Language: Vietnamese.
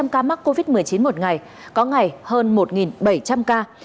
năm ca mắc covid một mươi chín một ngày có ngày hơn một bảy trăm linh ca